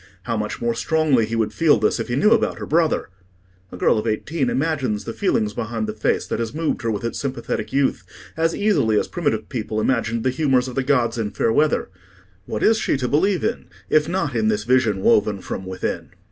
How much more strongly he would feel this if he knew about her brother! A girl of eighteen imagines the feelings behind the face that has moved her with its sympathetic youth, as easily as primitive people imagined the humours of the gods in fair weather: what is she to believe in, if not in this vision woven from within?